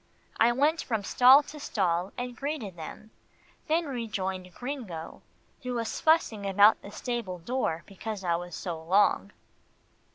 I went from stall to stall and greeted them, then rejoined Gringo, who was fussing about the stable door because I was so long.